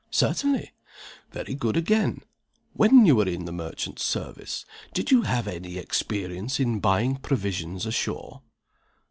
"Certainly!" "Very good again. When you were in the merchant service, did you ever have any experience in buying provisions ashore?"